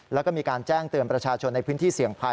แล้วก็มีการแจ้งเตือนประชาชนในพื้นที่เสี่ยงภัย